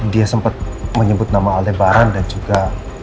dia sempat menyebut nama aldebaran dan juga